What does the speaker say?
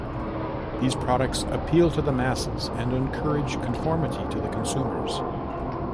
These products appeal to the masses and encourage conformity to the consumers.